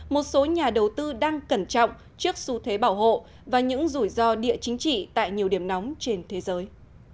một số nhà đầu tư đang cẩn trọng trước xu thế bảo hộ và những rủi ro địa chính trị tại nhiều điểm nóng trên thế giới